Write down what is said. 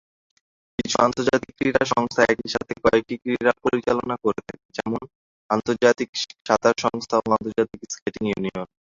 কিছু আন্তর্জাতিক ক্রীড়া সংস্থা একই সাথে কয়েকটি ক্রীড়া পরিচালনা করে থাকে, যেমনঃ আন্তর্জাতিক সাঁতার সংস্থা ও আন্তর্জাতিক স্কেটিং ইউনিয়ন।